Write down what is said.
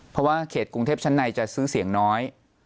เพราะว่าเขตกรุงเทพชั้นในจะซื้อเสียงน้อย